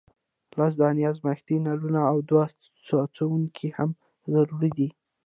لس دانې ازمیښتي نلونه او دوه څڅونکي هم ضروري دي.